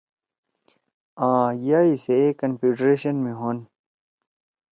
آں یا ئی سے اے کنفیڈریشن (Confederation) می ہون۔